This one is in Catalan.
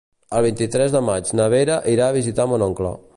El vint-i-tres de maig na Vera irà a visitar mon oncle.